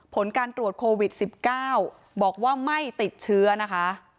ผลการตรวจโควิด๑๙บอกว่าไม่ติดเชื้อนะคะ